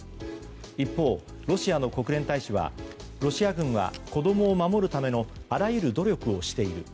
一方、ロシアの国連大使はロシア軍は子供を守るためのあらゆる努力をしている。